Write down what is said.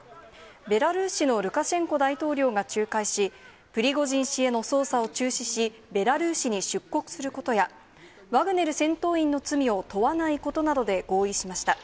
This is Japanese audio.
ベラルーシのルカシェンコ大統領が仲介し、プリゴジン氏への捜査を中止し、ベラルーシに出国することや、ワグネル戦闘員の罪を問わないことなどで合意しました。